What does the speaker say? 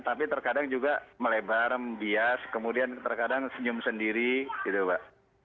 tapi terkadang juga melebar membias kemudian terkadang senyum sendiri gitu mbak